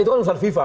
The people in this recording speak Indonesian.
itu kan urusan fifa